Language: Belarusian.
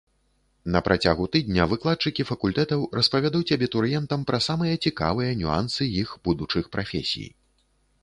На працягу тыдня выкладчыкі факультэтаў распавядуць абітурыентам пра самыя цікавыя нюансы іх будучых прафесій.